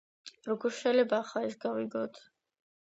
როგორ შეიძლება ახლა ეს გავიგოთ?